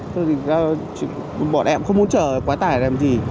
thế thì bọn em không muốn chở quá tải làm gì